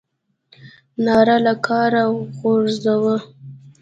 ناره له کاره غورځوو.